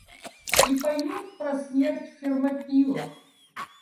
И поют про смерть в Фермопилах.